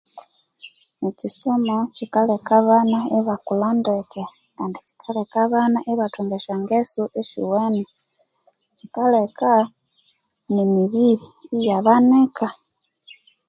Ekyisomo kyikaleka abana ibakulha ndeke kandi kyikaleka abana ibathunga esyangeso esiwene, kyikaleka nemibiri iyabanika.